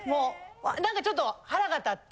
何かちょっと腹が立って。